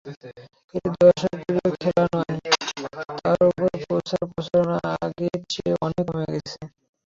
এটি দর্শকপ্রিয় খেলা নয়, তার ওপর প্রচার-প্রচারণা আগের চেয়ে অনেক কমে গেছে।